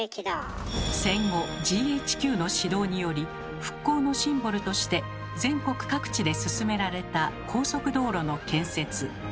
戦後ＧＨＱの指導により復興のシンボルとして全国各地で進められた高速道路の建設。